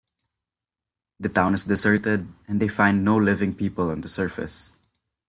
The town is deserted, and they find no living people on the surface.